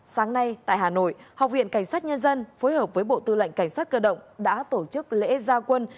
sáng nay tại hà nội học viện cảnh sát nhân dân phối hợp với bộ tư lệnh cảnh sát cơ động đã tổ chức lễ gia quân